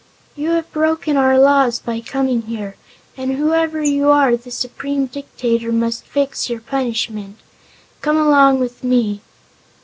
"You have broken our laws by coming here; and whoever you are the Supreme Dictator must fix your punishment. Come along with me."